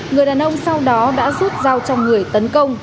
người đàn ông sau đó đã rút dao trong người tấn công